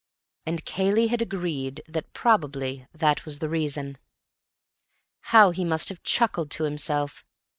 And Cayley had agreed that probably that was the reason. How he must have chuckled to himself!